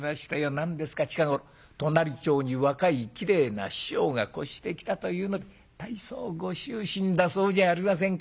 何ですか近頃隣町に若いきれいな師匠が越してきたというので大層ご執心だそうじゃありませんか。